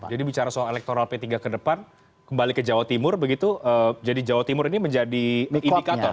jadi bicara soal elektoral p tiga ke depan kembali ke jawa timur begitu jadi jawa timur ini menjadi indikator